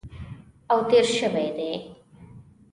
او تېر شوي دي